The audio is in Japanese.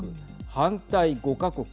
反対５か国。